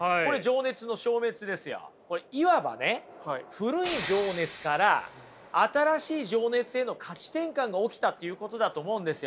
古い情熱から新しい情熱への価値転換が起きたっていうことだと思うんですよ。